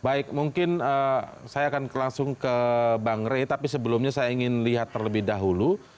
baik mungkin saya akan langsung ke bang rey tapi sebelumnya saya ingin lihat terlebih dahulu